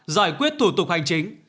giải quyết thủ tục hành chính